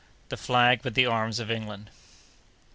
—The Flag with the Arms of England.